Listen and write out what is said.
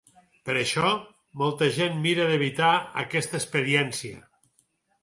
Per això, molta gent mira d’evitar aquesta experiència.